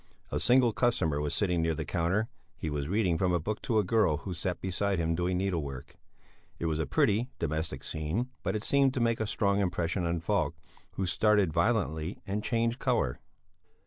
A single customer was sitting near the counter. He was reading from a book to a girl who sat beside him doing needlework. It was a pretty, domestic scene, but it seemed to make a strong impression on Falk, who started violently and changed colour.